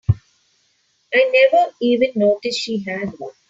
I never even noticed she had one.